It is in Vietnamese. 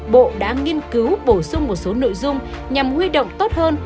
bộ đã nghiên cứu bổ sung một số nội dung nhằm huy động tốt hơn